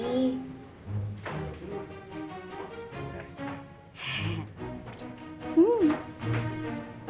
udah k next